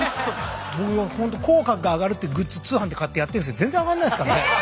僕も口角上がるってグッズ通販で買ってやってるんですけど全然上がんないですからね。